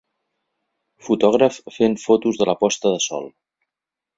Fotògraf fent fotos de la posta de sol.